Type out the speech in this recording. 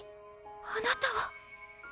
あなたは。